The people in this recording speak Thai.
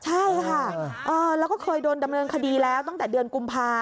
ใช่ค่ะแล้วก็เคยโดนดำเนินคดีแล้วตั้งแต่เดือนกุมภา